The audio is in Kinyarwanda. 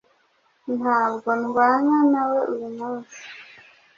Ntabwo ndwana nawe uyu munsi